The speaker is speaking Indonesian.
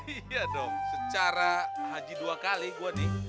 iya dong secara haji dua kali gue nih